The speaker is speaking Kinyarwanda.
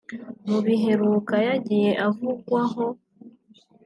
Mu biheruka yagiye avugwaho